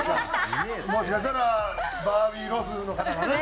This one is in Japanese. もしかしたらバービーロスの方がね。